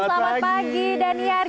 selamat pagi daniar